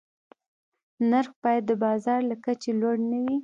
نرخ باید د بازار له کچې لوړ نه وي.